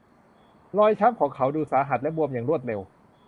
รอยช้ำของเขาดูสาหัสและบวมอย่างรวดเร็ว